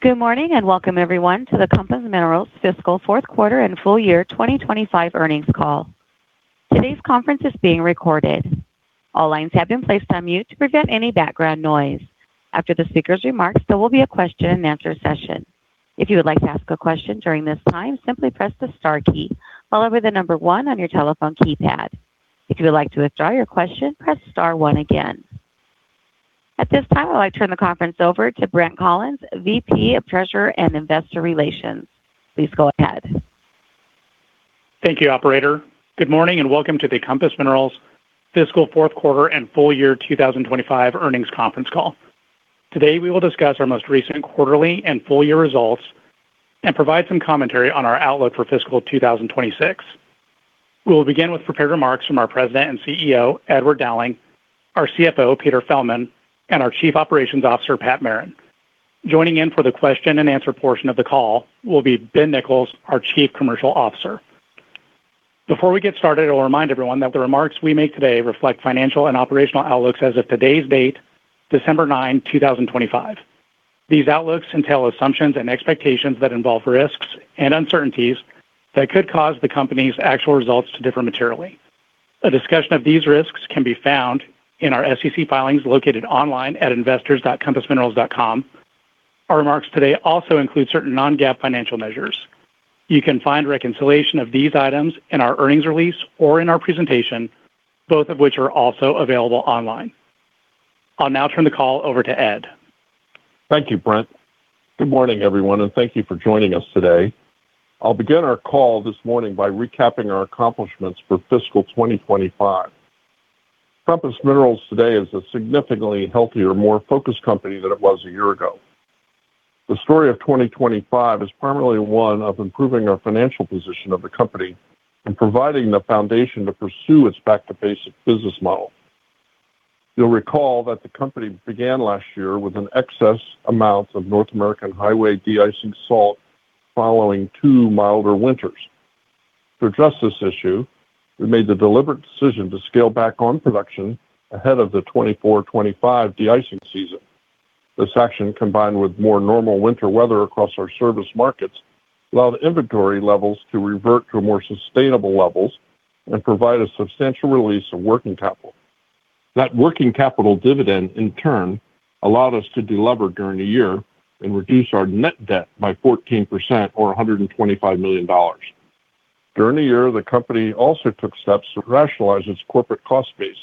Good morning and welcome, everyone, to the Compass Minerals fiscal fourth quarter and full year 2025 earnings call. Today's conference is being recorded. All lines have been placed on mute to prevent any background noise. After the speaker's remarks, there will be a question-and-answer session. If you would like to ask a question during this time, simply press the star key followed by the number one on your telephone keypad. If you would like to withdraw your question, press star one again. At this time, I'd like to turn the conference over to Brent Collins, VP of Treasury and Investor Relations. Please go ahead. Thank you, Operator. Good morning and welcome to the Compass Minerals fiscal fourth quarter and full year 2025 earnings conference call. Today, we will discuss our most recent quarterly and full year results and provide some commentary on our outlook for fiscal 2026. We will begin with prepared remarks from our President and CEO, Edward Dowling, our CFO, Peter Feldman, and our Chief Operations Officer, Pat Merrin. Joining in for the question-and-answer portion of the call will be Ben Nichols, our Chief Commercial Officer. Before we get started, I'll remind everyone that the remarks we make today reflect financial and operational outlooks as of today's date, December 9, 2025. These outlooks entail assumptions and expectations that involve risks and uncertainties that could cause the company's actual results to differ materially. A discussion of these risks can be found in our SEC filings located online at investors.compassminerals.com. Our remarks today also include certain non-GAAP financial measures. You can find reconciliation of these items in our earnings release or in our presentation, both of which are also available online. I'll now turn the call over to Ed. Thank you, Brent. Good morning, everyone, and thank you for joining us today. I'll begin our call this morning by recapping our accomplishments for Fiscal 2025. Compass Minerals today is a significantly healthier, more focused company than it was a year ago. The story of 2025 is primarily one of improving our financial position of the company and providing the foundation to pursue its back-to-basic business model. You'll recall that the company began last year with an excess amount of North American highway de-icing salt following two milder winters. To address this issue, we made the deliberate decision to scale back on production ahead of the 2024-2025 de-icing season. This action, combined with more normal winter weather across our service markets, allowed inventory levels to revert to more sustainable levels and provide a substantial release of working capital. That working capital dividend, in turn, allowed us to deliberate during the year and reduce our net debt by 14%, or $125 million. During the year, the company also took steps to rationalize its corporate cost base.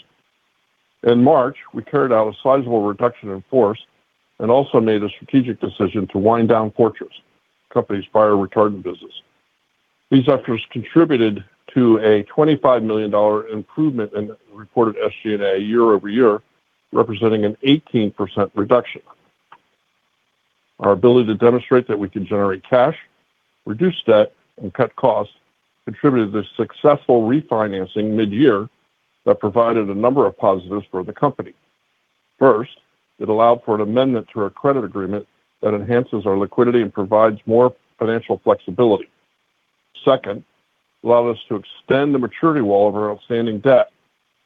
In March, we carried out a sizable reduction in force and also made a strategic decision to wind down Fortress, the company's prior retardant business. These efforts contributed to a $25 million improvement in reported SG&A year-over-year, representing an 18% reduction. Our ability to demonstrate that we can generate cash, reduce debt, and cut costs contributed to the successful refinancing mid-year that provided a number of positives for the company. First, it allowed for an amendment to our credit agreement that enhances our liquidity and provides more financial flexibility. Second, it allowed us to extend the maturity wall of our outstanding debt.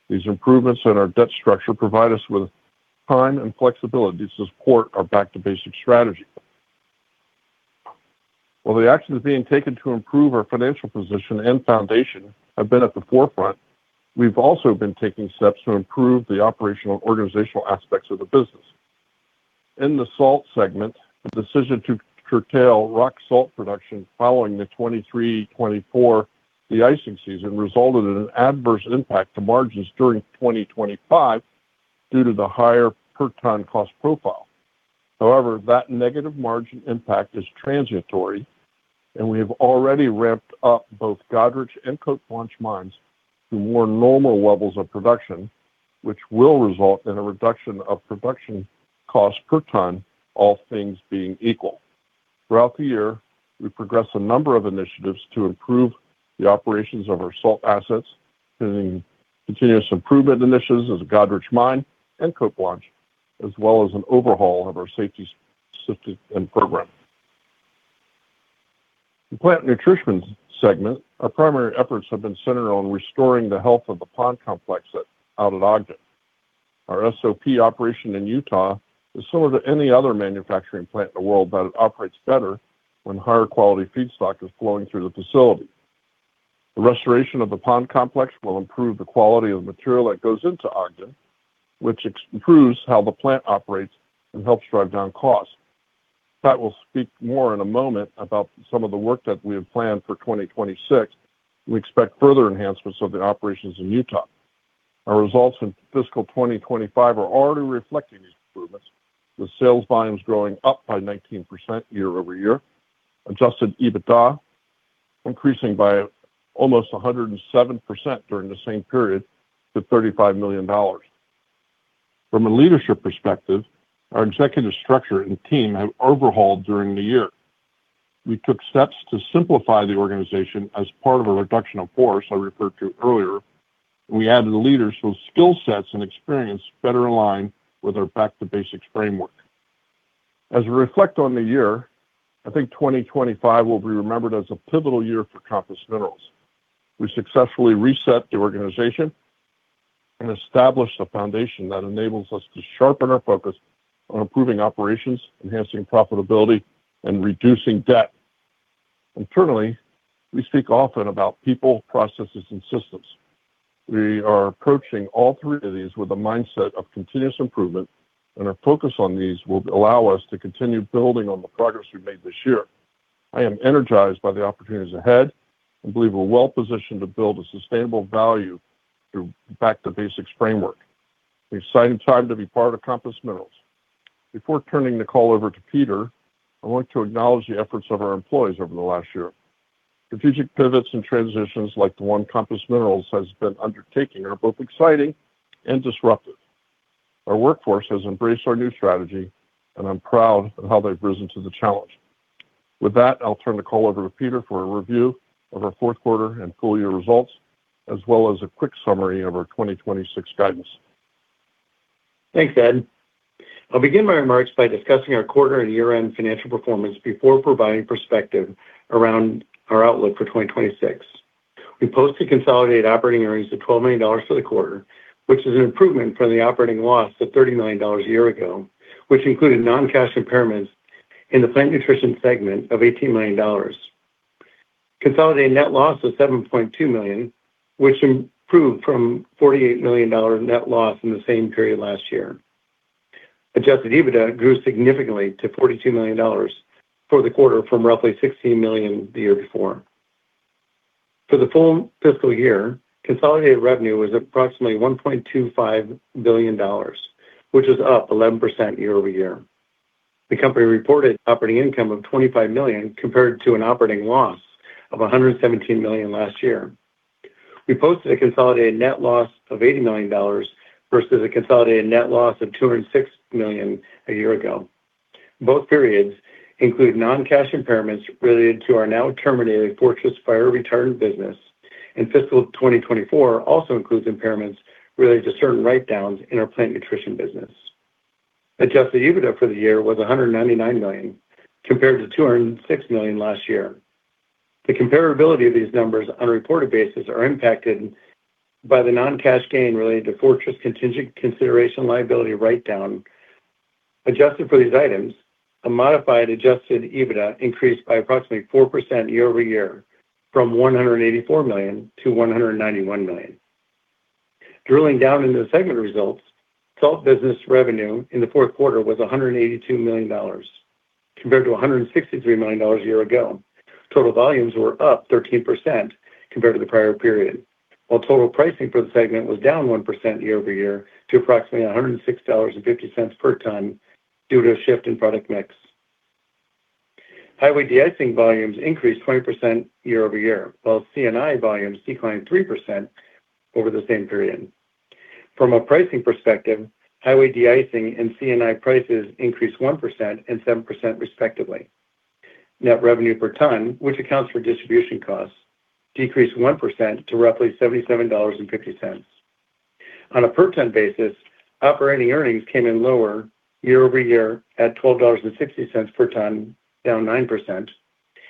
These improvements in our debt structure provide us with time and flexibility to support our back-to-basic strategy. While the actions being taken to improve our financial position and foundation have been at the forefront, we've also been taking steps to improve the operational and organizational aspects of the business. In the salt segment, the decision to curtail rock salt production following the 2023-2024 de-icing season resulted in an adverse impact to margins during 2025 due to the higher per ton cost profile. However, that negative margin impact is transitory, and we have already ramped up both Goderich and Cote Blanche mines to more normal levels of production, which will result in a reduction of production costs per ton, all things being equal. Throughout the year, we progressed a number of initiatives to improve the operations of our salt assets, including continuous improvement initiatives at Goderich mine and Cote Blanche, as well as an overhaul of our safety system and program. In the plant nutrition segment, our primary efforts have been centered on restoring the health of the pond complex out at Ogden. Our SOP operation in Utah is similar to any other manufacturing plant in the world that operates better when higher quality feedstock is flowing through the facility. The restoration of the pond complex will improve the quality of the material that goes into Ogden, which improves how the plant operates and helps drive down costs. Pat will speak more in a moment about some of the work that we have planned for 2026. We expect further enhancements of the operations in Utah. Our results in fiscal 2025 are already reflecting these improvements, with sales volumes growing by 19% year-over-year, Adjusted EBITDA increasing by almost 107% during the same period to $35 million. From a leadership perspective, our executive structure and team have overhauled during the year. We took steps to simplify the organization as part of a reduction in force I referred to earlier, and we added leaders whose skill sets and experience are better aligned with our back-to-basic framework. As we reflect on the year, I think 2025 will be remembered as a pivotal year for Compass Minerals. We successfully reset the organization and established a foundation that enables us to sharpen our focus on improving operations, enhancing profitability, and reducing debt. Internally, we speak often about people, processes, and systems. We are approaching all three of these with a mindset of continuous improvement, and our focus on these will allow us to continue building on the progress we've made this year. I am energized by the opportunities ahead and believe we're well positioned to build a sustainable value through the back-to-basic framework. An exciting time to be part of Compass Minerals. Before turning the call over to Peter, I want to acknowledge the efforts of our employees over the last year. Strategic pivots and transitions, like the one Compass Minerals has been undertaking, are both exciting and disruptive. Our workforce has embraced our new strategy, and I'm proud of how they've risen to the challenge. With that, I'll turn the call over to Peter for a review of our fourth quarter and full year results, as well as a quick summary of our 2026 guidance. Thanks, Ed. I'll begin my remarks by discussing our quarter and year-end financial performance before providing perspective around our outlook for 2026. We posted consolidated operating earnings of $12 million for the quarter, which is an improvement from the operating loss of $30 million a year ago, which included non-cash impairments in the Plant Nutrition segment of $18 million. Consolidated net loss was $7.2 million, which improved from $48 million net loss in the same period last year. Adjusted EBITDA grew significantly to $42 million for the quarter from roughly $16 million the year before. For the full fiscal year, consolidated revenue was approximately $1.25 billion, which was up 11% year-over-year. The company reported operating income of $25 million compared to an operating loss of $117 million last year. We posted a consolidated net loss of $80 million versus a consolidated net loss of $206 million a year ago. Both periods include non-cash impairments related to our now terminated Fortress fire retardant business, and Fiscal 2024 also includes impairments related to certain write-downs in our plant nutrition business. Adjusted EBITDA for the year was $199 million compared to $206 million last year. The comparability of these numbers on a reported basis is impacted by the non-cash gain related to Fortress contingent consideration liability write-down. Adjusted for these items, a modified adjusted EBITDA increased by approximately 4% year-over-year, from $184 million to $191 million. Drilling down into the segment results, salt business revenue in the fourth quarter was $182 million compared to $163 million a year ago. Total volumes were up 13% compared to the prior period, while total pricing for the segment was down 1% year-over-year to approximately $106.50 per ton due to a shift in product mix. Highway de-icing volumes increased 20% year-over-year, while CNI volumes declined 3% over the same period. From a pricing perspective, highway de-icing and CNI prices increased 1% and 7% respectively. Net revenue per ton, which accounts for distribution costs, decreased 1% to roughly $77.50. On a per ton basis, operating earnings came in lower year-over-year at $12.60 per ton, down 9%,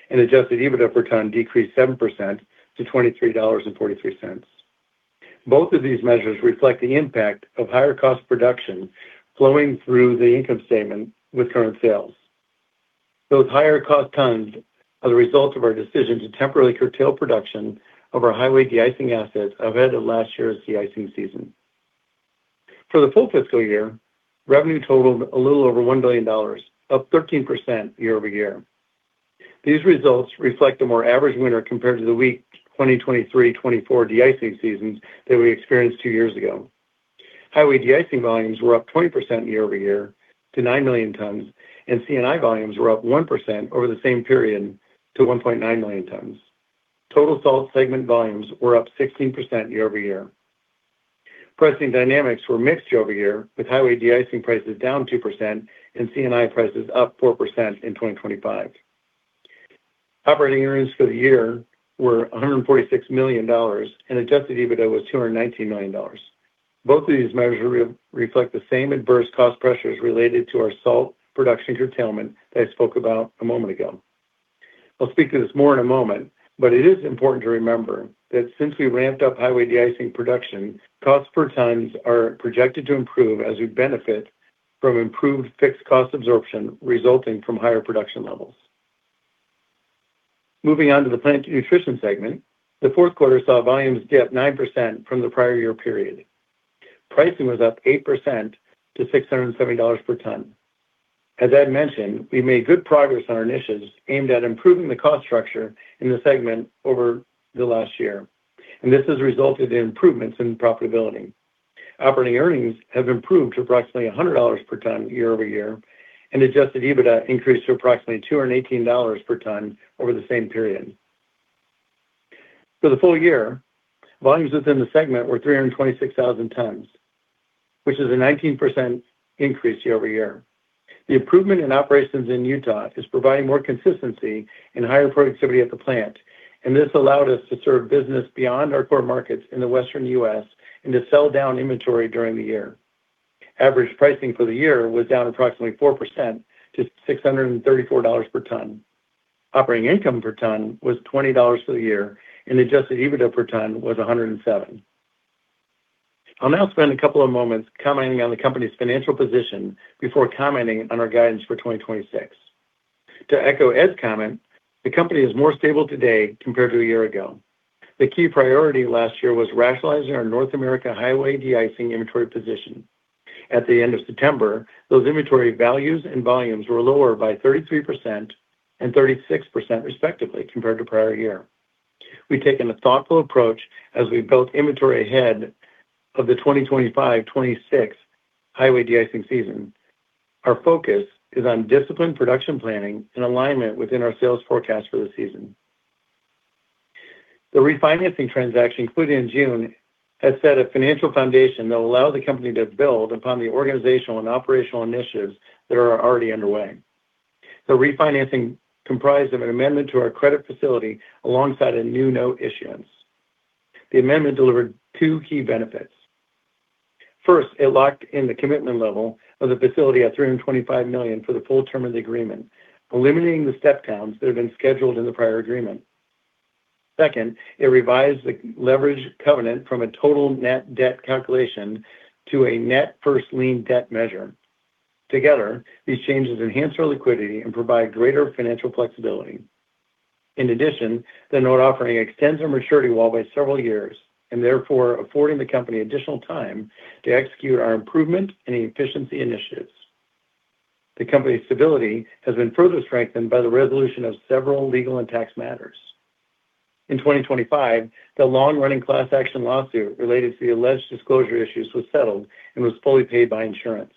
and Adjusted EBITDA per ton decreased 7% to $23.43. Both of these measures reflect the impact of higher cost production flowing through the income statement with current sales. Those higher cost tons are the result of our decision to temporarily curtail production of our highway de-icing assets ahead of last year's de-icing season. For the full fiscal year, revenue totaled a little over $1 billion, up 13% year-over-year. These results reflect a more average winter compared to the weak 2023-2024 de-icing seasons that we experienced two years ago. Highway de-icing volumes were up 20% year-over-year to 9 million tons, and CNI volumes were up 1% over the same period to 1.9 million tons. Total salt segment volumes were up 16% year-over-year. Pricing dynamics were mixed year-over-year, with highway de-icing prices down 2% and CNI prices up 4% in 2025. Operating earnings for the year were $146 million, and adjusted EBITDA was $219 million. Both of these measures reflect the same adverse cost pressures related to our salt production curtailment that I spoke about a moment ago. I'll speak to this more in a moment, but it is important to remember that since we ramped up highway de-icing production, costs per tons are projected to improve as we benefit from improved fixed cost absorption resulting from higher production levels. Moving on to the plant nutrition segment, the fourth quarter saw volumes dip 9% from the prior year period. Pricing was up 8% to $670 per ton. As Ed mentioned, we made good progress on our initiatives aimed at improving the cost structure in the segment over the last year, and this has resulted in improvements in profitability. Operating earnings have improved to approximately $100 per ton year-over-year, and Adjusted EBITDA increased to approximately $218 per ton over the same period. For the full year, volumes within the segment were 326,000 tons, which is a 19% increase year-over-year. The improvement in operations in Utah is providing more consistency and higher productivity at the plant, and this allowed us to serve business beyond our core markets in the western US and to sell down inventory during the year. Average pricing for the year was down approximately 4% to $634 per ton. Operating income per ton was $20 for the year, and Adjusted EBITDA per ton was $107. I'll now spend a couple of moments commenting on the company's financial position before commenting on our guidance for 2026. To echo Ed's comment, the company is more stable today compared to a year ago. The key priority last year was rationalizing our North America highway de-icing inventory position. At the end of September, those inventory values and volumes were lower by 33% and 36% respectively compared to prior year. We've taken a thoughtful approach as we built inventory ahead of the 2025-2026 highway de-icing season. Our focus is on disciplined production planning in alignment with our sales forecast for the season. The refinancing transaction included in June has set a financial foundation that will allow the company to build upon the organizational and operational initiatives that are already underway. The refinancing comprised of an amendment to our credit facility alongside a new note issuance. The amendment delivered two key benefits. First, it locked in the commitment level of the facility at $325 million for the full term of the agreement, eliminating the step-downs that had been scheduled in the prior agreement. Second, it revised the leverage covenant from a total net debt calculation to a net first lien debt measure. Together, these changes enhance our liquidity and provide greater financial flexibility. In addition, the note offering extends our maturity wall by several years, and therefore affording the company additional time to execute our improvement and efficiency initiatives. The company's stability has been further strengthened by the resolution of several legal and tax matters. In 2025, the long-running class action lawsuit related to the alleged disclosure issues was settled and was fully paid by insurance.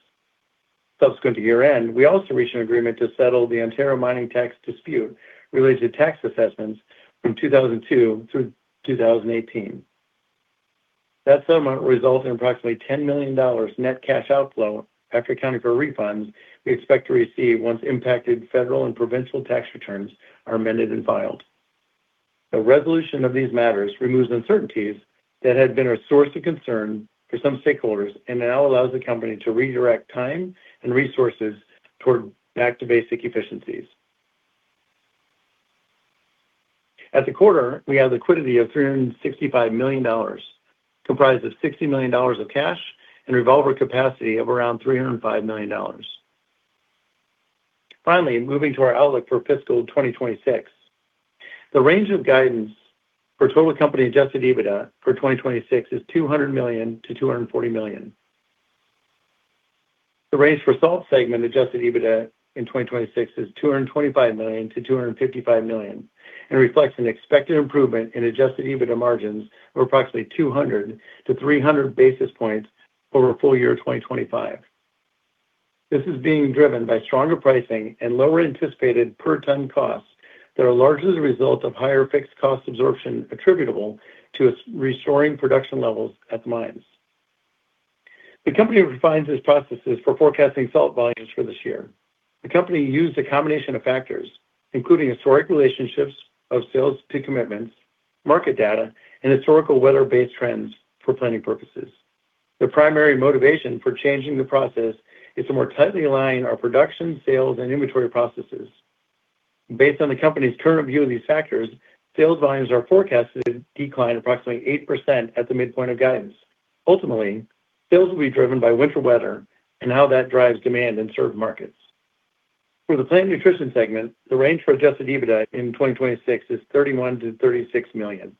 Subsequent to year-end, we also reached an agreement to settle the Ontario mining tax dispute related to tax assessments from 2002 through 2018. That settlement resulted in approximately $10 million net cash outflow after accounting for refunds we expect to receive once impacted federal and provincial tax returns are amended and filed. The resolution of these matters removes uncertainties that had been a source of concern for some stakeholders and now allows the company to redirect time and resources toward back-to-basic efficiencies. At the quarter, we have liquidity of $365 million, comprised of $60 million of cash and revolving capacity of around $305 million. Finally, moving to our outlook for fiscal 2026. The range of guidance for total company Adjusted EBITDA for 2026 is $200 million-$240 million. The range for salt segment Adjusted EBITDA in 2026 is $225 million-$255 million and reflects an expected improvement in Adjusted EBITDA margins of approximately 200-300 basis points over full year 2025. This is being driven by stronger pricing and lower anticipated per ton costs that are largely the result of higher fixed cost absorption attributable to restoring production levels at the mines. The company refines its processes for forecasting salt volumes for this year. The company used a combination of factors, including historic relationships of sales to commitments, market data, and historical weather-based trends for planning purposes. The primary motivation for changing the process is to more tightly align our production, sales, and inventory processes. Based on the company's current view of these factors, sales volumes are forecast to decline approximately 8% at the midpoint of guidance. Ultimately, sales will be driven by winter weather and how that drives demand in certain markets. For the plant nutrition segment, the range for Adjusted EBITDA in 2026 is $31-$36 million.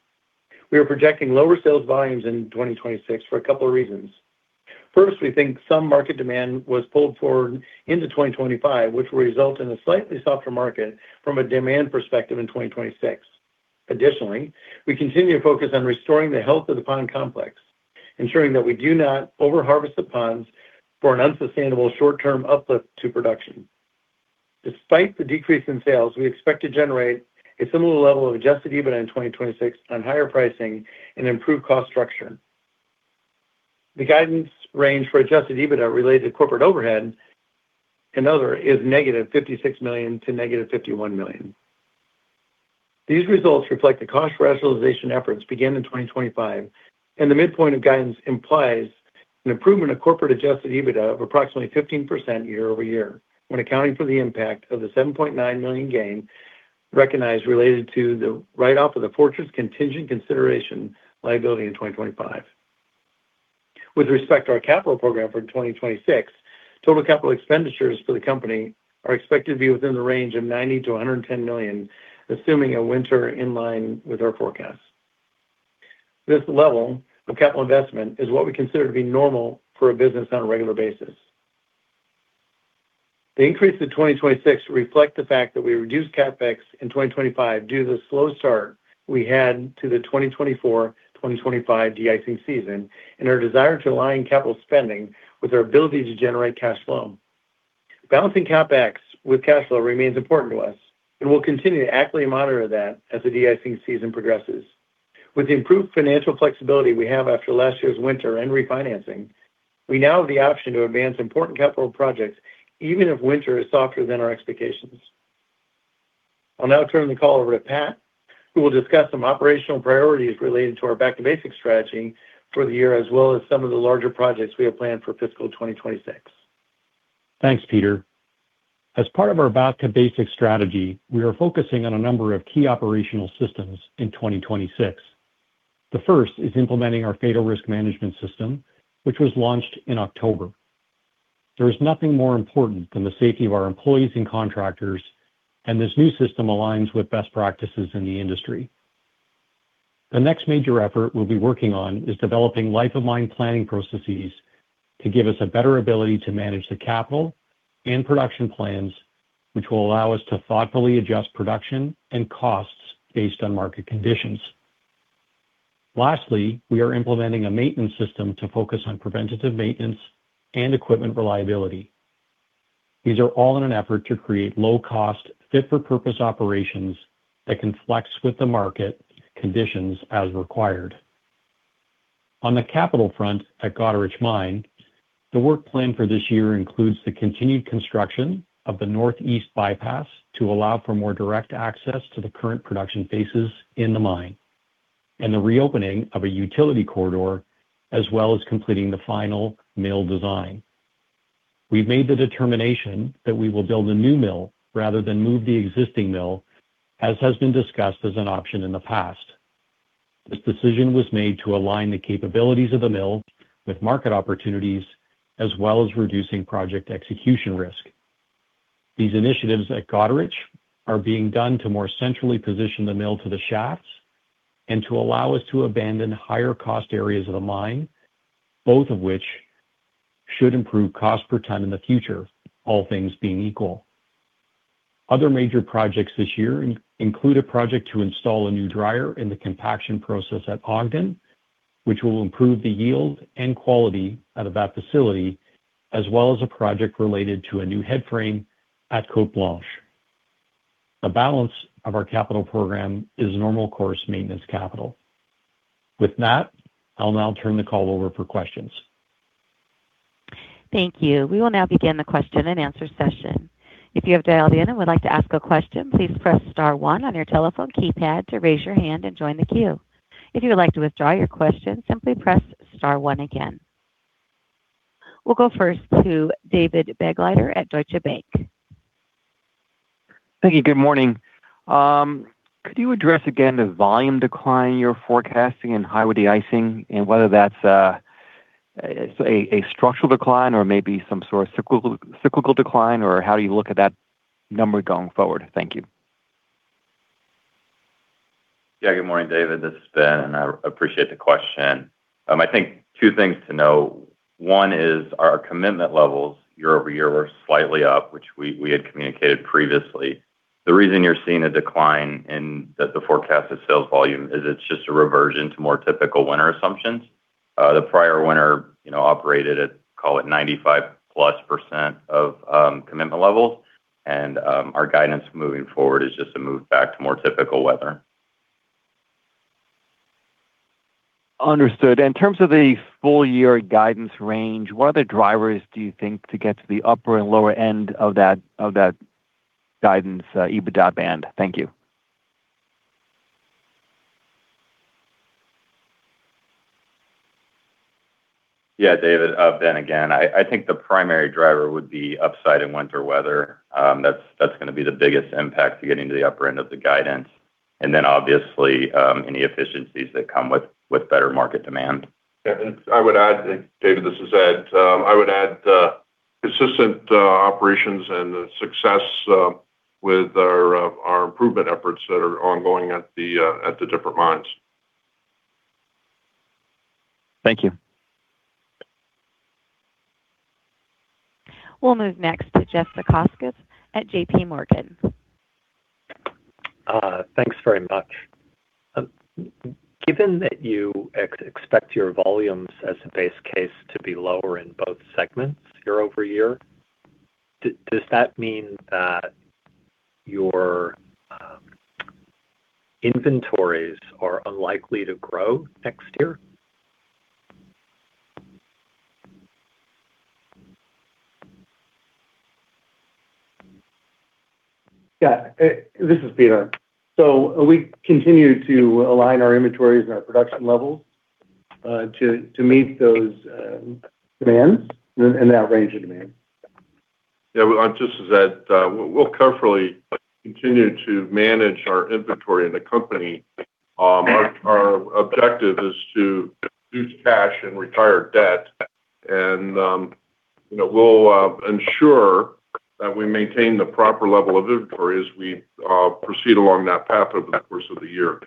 We are projecting lower sales volumes in 2026 for a couple of reasons. First, we think some market demand was pulled forward into 2025, which will result in a slightly softer market from a demand perspective in 2026. Additionally, we continue to focus on restoring the health of the pond complex, ensuring that we do not overharvest the ponds for an unsustainable short-term uplift to production. Despite the decrease in sales, we expect to generate a similar level of Adjusted EBITDA in 2026 on higher pricing and improved cost structure. The guidance range for Adjusted EBITDA related to corporate overhead and other is negative $56 million to negative $51 million. These results reflect the cost rationalization efforts began in 2025, and the midpoint of guidance implies an improvement of corporate Adjusted EBITDA of approximately 15% year-over-year, when accounting for the impact of the $7.9 million gain recognized related to the write-off of the Fortress contingent consideration liability in 2025. With respect to our capital program for 2026, total capital expenditures for the company are expected to be within the range of $90 million-$110 million, assuming a winter in line with our forecast. This level of capital investment is what we consider to be normal for a business on a regular basis. The increase in 2026 reflects the fact that we reduced CapEx in 2025 due to the slow start we had to the 2024-2025 de-icing season and our desire to align capital spending with our ability to generate cash flow. Balancing CapEx with cash flow remains important to us, and we'll continue to actively monitor that as the de-icing season progresses. With the improved financial flexibility we have after last year's winter and refinancing, we now have the option to advance important capital projects even if winter is softer than our expectations. I'll now turn the call over to Pat, who will discuss some operational priorities related to our Back-to-Basic strategy for the year, as well as some of the larger projects we have planned for fiscal 2026. Thanks, Peter. As part of our Back-to-Basic strategy, we are focusing on a number of key operational systems in 2026. The first is implementing our Fatal Risk Management System, which was launched in October. There is nothing more important than the safety of our employees and contractors, and this new system aligns with best practices in the industry. The next major effort we'll be working on is developing life-of-mine planning processes to give us a better ability to manage the capital and production plans, which will allow us to thoughtfully adjust production and costs based on market conditions. Lastly, we are implementing a maintenance system to focus on preventative maintenance and equipment reliability. These are all in an effort to create low-cost, fit-for-purpose operations that can flex with the market conditions as required. On the capital front at Goderich Mine, the work planned for this year includes the continued construction of the northeast bypass to allow for more direct access to the current production faces in the mine, and the reopening of a utility corridor, as well as completing the final mill design. We've made the determination that we will build a new mill rather than move the existing mill, as has been discussed as an option in the past. This decision was made to align the capabilities of the mill with market opportunities, as well as reducing project execution risk. These initiatives at Goderich are being done to more centrally position the mill to the shafts and to allow us to abandon higher-cost areas of the mine, both of which should improve cost per ton in the future, all things being equal. Other major projects this year include a project to install a new dryer in the compaction process at Ogden, which will improve the yield and quality out of that facility, as well as a project related to a new headframe at Cote Blanche. The balance of our capital program is normal-course maintenance capital. With that, I'll now turn the call over for questions. Thank you. We will now begin the question-and-answer session. If you have dialed in and would like to ask a question, please press star one on your telephone keypad to raise your hand and join the queue. If you would like to withdraw your question, simply press star one again. We'll go first to David Begleiter at Deutsche Bank. Thank you. Good morning. Could you address again the volume decline you're forecasting in highway de-icing, and whether that's a structural decline or maybe some sort of cyclical decline, or how do you look at that number going forward? Thank you. Yeah. Good morning, David. This is Ben, and I appreciate the question. I think two things to note. One is our commitment levels year-over-year were slightly up, which we had communicated previously. The reason you're seeing a decline in the forecasted sales volume is it's just a reversion to more typical winter assumptions. The prior winter operated at, call it, 95+% of commitment levels, and our guidance moving forward is just a move back to more typical weather. Understood. In terms of the full-year guidance range, what other drivers do you think to get to the upper and lower end of that guidance EBITDA band? Thank you. Yeah, David, Ben again. I think the primary driver would be upside in winter weather. That's going to be the biggest impact to getting to the upper end of the guidance, and then obviously any efficiencies that come with better market demand. I would add, David, this is Ed. I would add the consistent operations and the success with our improvement efforts that are ongoing at the different mines. Thank you. We'll move next to Jeffrey Zekauskas at JPMorgan. Thanks very much. Given that you expect your volumes as a base case to be lower in both segments year-over-year, does that mean that your inventories are unlikely to grow next year? Yeah. This is Peter. So we continue to align our inventories and our production levels to meet those demands and that range of demands. Yeah. Just as Ed, we'll carefully continue to manage our inventory in the company. Our objective is to reduce cash and retire debt, and we'll ensure that we maintain the proper level of inventory as we proceed along that path over the course of the year.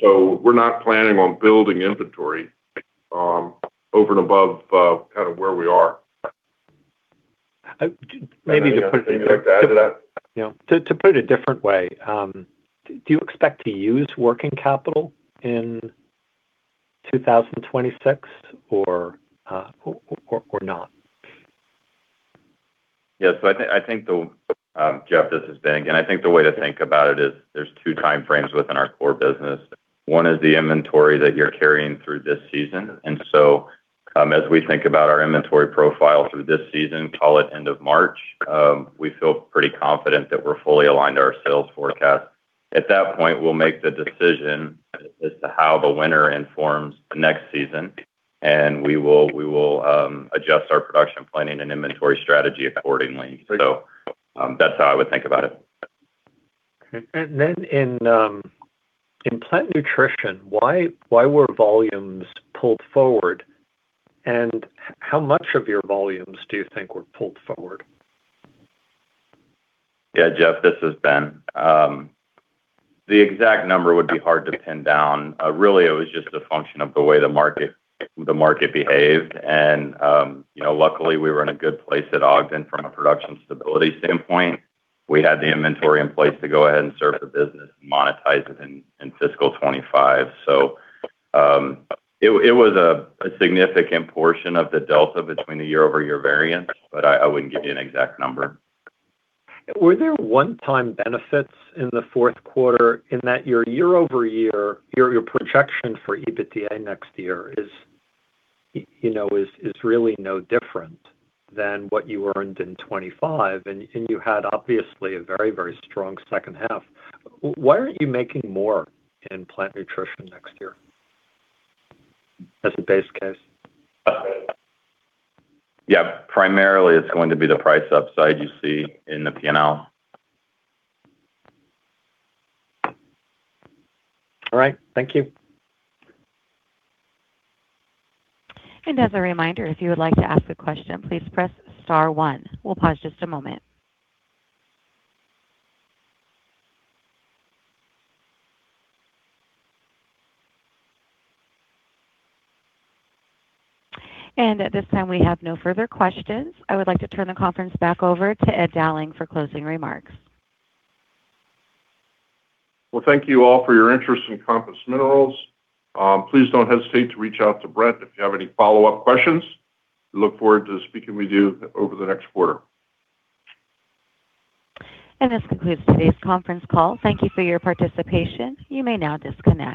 So we're not planning on building inventory over and above kind of where we are. Maybe to put it in a different way, do you expect to use working capital in 2026 or not? Yes. I think the, Jeff, this is Ben again. I think the way to think about it is there's two time frames within our core business. One is the inventory that you're carrying through this season. And so as we think about our inventory profile through this season, call it end of March, we feel pretty confident that we're fully aligned to our sales forecast. At that point, we'll make the decision as to how the winter informs the next season, and we will adjust our production planning and inventory strategy accordingly. So that's how I would think about it. And then in plant nutrition, why were volumes pulled forward, and how much of your volumes do you think were pulled forward? Yeah. Jeff, this is Ben. The exact number would be hard to pin down. Really, it was just a function of the way the market behaved. And luckily, we were in a good place at Ogden from a production stability standpoint. We had the inventory in place to go ahead and serve the business and monetize it in fiscal 2025. So it was a significant portion of the delta between the year-over-year variance, but I wouldn't give you an exact number. Were there one-time benefits in the fourth quarter in that your year-over-year projection for EBITDA next year is really no different than what you earned in 2025, and you had obviously a very, very strong second half? Why aren't you making more in plant nutrition next year as a base case? Yeah. Primarily, it's going to be the price upside you see in the P&L. All right. Thank you. And as a reminder, if you would like to ask a question, please press star one. We'll pause just a moment. And at this time, we have no further questions. I would like to turn the conference back over to Ed Dowling for closing remarks. Well, thank you all for your interest in Compass Minerals. Please don't hesitate to reach out to Brent if you have any follow-up questions. We look forward to speaking with you over the next quarter. And this concludes today's conference call. Thank you for your participation. You may now disconnect.